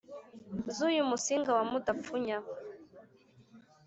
z’uyu musinga wa mudapfunya